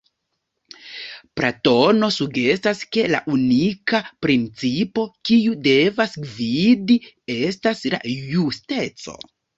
Platono sugestas ke la unika principo kiu devas gvidi estas la justeco.